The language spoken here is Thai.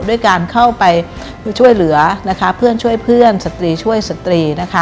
ด้วยการเข้าไปช่วยเหลือนะคะเพื่อนช่วยเพื่อนสตรีช่วยสตรีนะคะ